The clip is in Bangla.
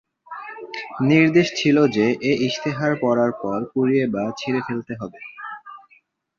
নির্দেশ ছিল যে এ ইশতেহার পড়ার পর পুড়িয়ে বা ছিঁড়ে ফেলতে হবে।